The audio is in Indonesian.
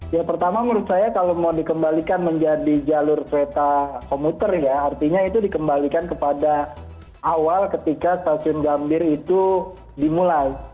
ya pertama menurut saya kalau mau dikembalikan menjadi jalur kereta komuter ya artinya itu dikembalikan kepada awal ketika stasiun gambir itu dimulai